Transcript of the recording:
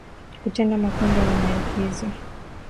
Kutenga makundi yenye maambukizi